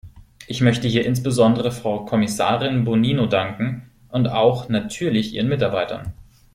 Ich möchte hier insbesondere Frau Kommissarin Bonino danken, und auch natürlich ihren Mitarbeitern.